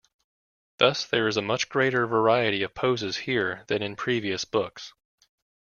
Thus there is a much greater variety of poses here than in previous books.